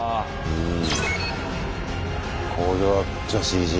うん。